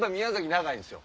長いんすよ。